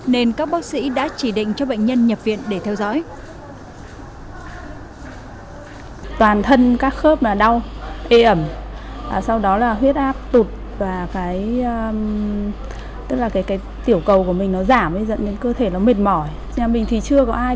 nên các bác sĩ đã chỉ định cho bệnh nhân nhập viện để theo dõi